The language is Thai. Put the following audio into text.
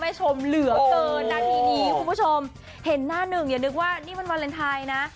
ชมเหลือเกินนาทีนี้คุณผู้ชมเห็นหน้าหนึ่งอย่านึกว่านี่มันวาเลนไทยนะ